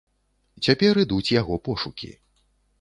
Цяпер ідуць яго пошукі.